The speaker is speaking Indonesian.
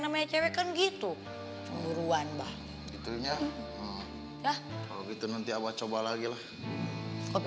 namanya cewek kan gitu buruan bahagiannya kalau gitu nanti abah coba lagi lah kopi